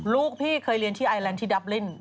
ลูกพี่เคยเรียนที่ไอแลนด์ที่ดับลิน